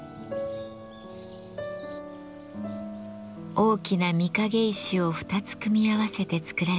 大きな御影石を２つ組み合わせて作られています。